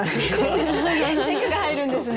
チェックが入るんですね。